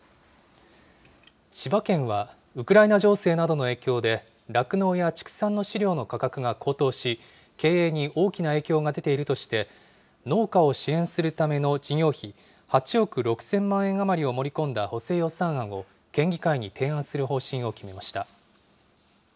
千葉県は、ウクライナ情勢などの影響で酪農や畜産の飼料の価格が高騰し、経営に大きな影響が出ているとして、農家を支援するための事業費、８億６０００万円余りを盛り込んだ補正予算案を県議会に提案する方針を決めました。